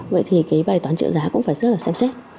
vậy thì cái bài toán trợ giá cũng phải rất là xem xét